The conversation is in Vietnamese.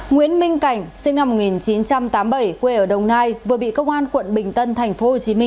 nguyễn minh cảnh sinh năm một nghìn chín trăm tám mươi bảy quê ở đồng nai vừa bị công an quận bình tân tp hcm